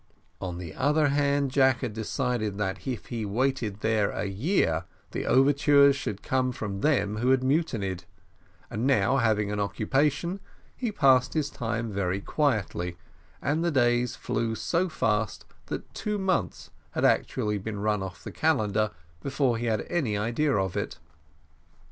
On the other hand, Jack had decided that if he waited there a year, the overtures should come from them who had mutinied; and now, having an occupation, he passed his time very quietly, and the days flew so fast that two months had actually been run off the calendar, before he had an idea of it.